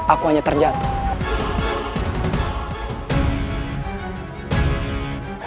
aku hanya terjatuh